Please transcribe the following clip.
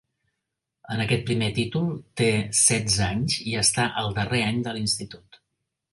En aquest primer títol té setze anys i està al darrer any de l'institut.